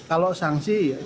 ada sanksi pak